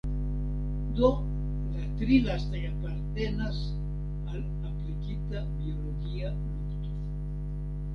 Do la tri lastaj apartenas al aplikita biologia lukto.